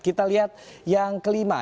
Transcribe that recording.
kita lihat yang kelima